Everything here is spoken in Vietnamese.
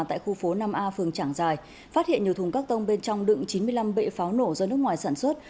tại khu phố năm a phường trảng giài phát hiện nhiều thùng các tông bên trong đựng chín mươi năm bệ pháo nổ do nước ngoài sản xuất